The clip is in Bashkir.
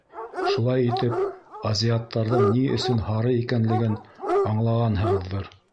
Шулай итеп, азиаттарҙың ни өсөн һары икәнлеген аңлағанһығыҙҙыр...